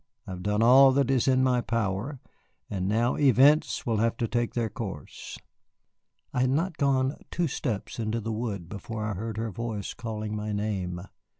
"I have done all that is in my power, and now events will have to take their course." I had not gone two steps into the wood before I heard her voice calling my name.